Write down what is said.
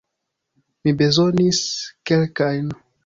Mi bezonis kelkajn.